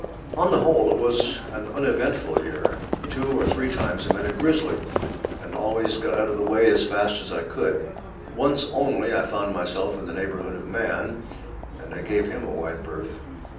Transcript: On the whole, it was an uneventful year. Two or three times I met a grizzly, and always got out of the way as fast as I could. Once only I found myself in the neighbourhood of man, and I gave him a wide berth.